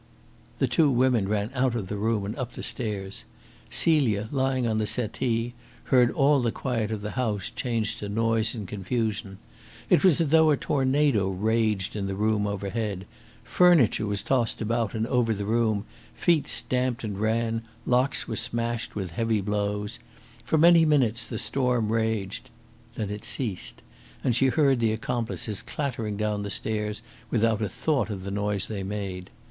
The two women ran out of the room and up the stairs. Celia, lying on the settee, heard all the quiet of the house change to noise and confusion. It was as though a tornado raged in the room overhead. Furniture was tossed about and over the room, feet stamped and ran, locks were smashed in with heavy blows. For many minutes the storm raged. Then it ceased, and she heard the accomplices clattering down the stairs without a thought of the noise they made.